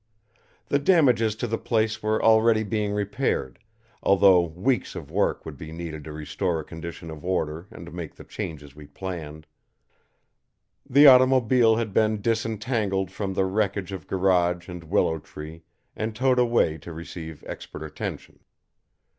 The damages to the place were already being repaired, although weeks of work would be needed to restore a condition of order and make the changes we planned. The automobile had been disentangled from the wreckage of garage and willow tree and towed away to receive expert attention.